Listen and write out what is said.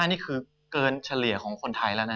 นี่คือเกินเฉลี่ยของคนไทยแล้วนะ